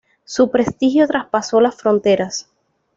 Su prestigio traspasó las fronteras.